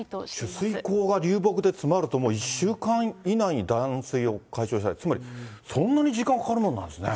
取水口が流木で詰まると、もう１週間以内に断水を解消したい、つまり、そんなに時間かかるものなんですね。